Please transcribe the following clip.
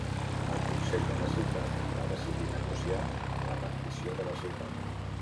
El consell de la ciutat va decidir negociar la rendició de la ciutat.